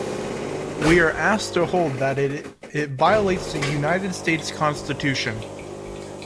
We are asked to hold that it violates the United States Constitution.